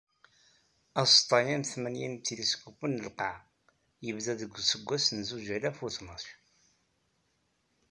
Aẓeṭṭa-a n tmanya n yitiliskupen n lqaɛa, yebda deg useggas n zuǧ alaf u tnac.